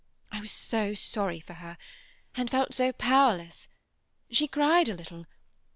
"I was so sorry for her, and felt so powerless. She cried a little.